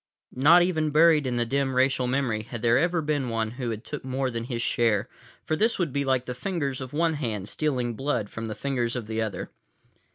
Not even buried in the dim racial memory had there ever been one who took more than his share, for this would be like the fingers of one hand stealing blood from the fingers of the other.